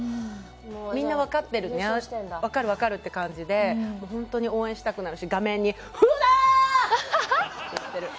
みんなわかってるわかるわかるって感じでホントに応援したくなるし画面に「フウナー！」って言ってる。